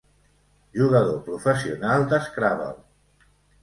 Jugador professional de Scrabble.